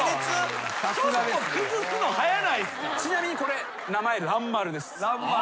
ちなみにこれ名前「らんまる」です。